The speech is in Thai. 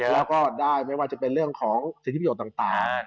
แล้วก็ได้ไม่ว่าจะเป็นเรื่องของสิทธิประโยชน์ต่าง